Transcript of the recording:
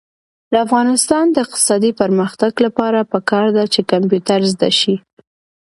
د افغانستان د اقتصادي پرمختګ لپاره پکار ده چې کمپیوټر زده شي.